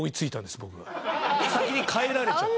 先に帰られちゃって。